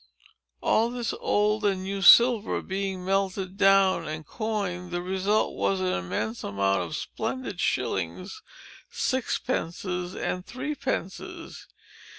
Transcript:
All this old and new silver being melted down and coined, the result was an immense amount of splendid shillings, sixpences, and threepences.